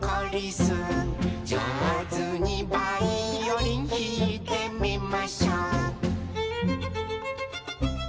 「上手にバイオリンひいてみましょう」